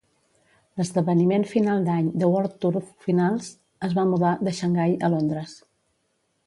L'esdeveniment final d'any, The World Tour finals, es va mudar de Xangai a Londres.